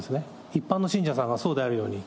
一般の信者さんがそうであるように。